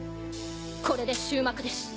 これで終幕です。